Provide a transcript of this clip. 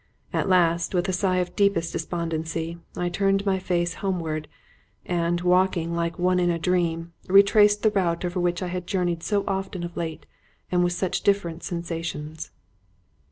At last, with a sigh of deepest despondency, I turned my face homeward, and, walking like one in a dream, retraced the route over which I had journeyed so often of late and with such different sensations.